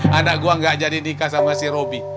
he anak gue gak jadi nikah sama si robi